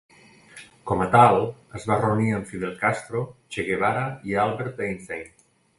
Com a tal, es va reunir amb Fidel Castro, Che Guevara i Albert Einstein.